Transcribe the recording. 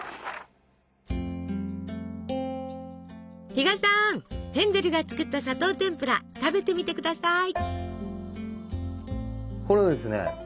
比嘉さんヘンゼルが作った砂糖てんぷら食べてみて下さい！